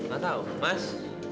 gak tau mas